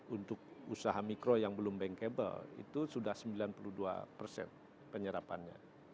untuk usaha mikro yang belum bankable itu sudah sembilan puluh dua persen penyerapannya